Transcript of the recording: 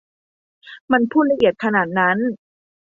มันพูดละเอียดขนาดนั้น